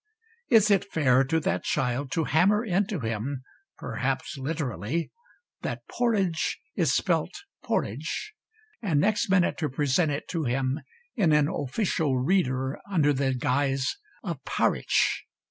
Is it fair to that child to hammer into him perhaps literally that porridge is spelt porridge, and next minute to present it to him, in an official 'Reader,' under the guise of parritch?